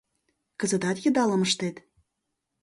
Кызытат йыдалым ыштет?